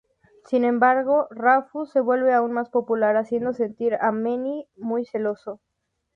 Sin embargo, Rufus se vuelve aún más popular, haciendo sentir a Manny muy celoso.